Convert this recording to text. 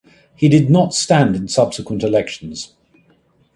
He did not stand in subsequent elections.